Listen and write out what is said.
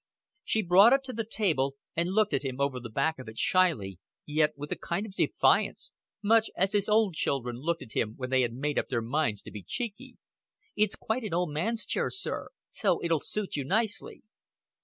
She brought it to the table, and looked at him over the back of it shyly, yet with a kind of defiance much as his own children looked at him when they had made up their minds to be cheeky. "It's quite an old man's chair, sir so it'll suit you nicely."